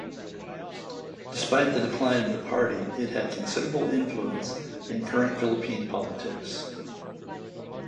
Despite the decline of the party, it had considerable influence in current Philippine politics.